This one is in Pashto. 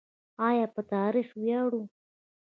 آیا په تاریخ ویاړو؟